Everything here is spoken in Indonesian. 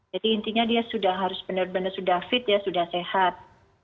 jadi intinya dia harus benar benar sudah fit sudah sehat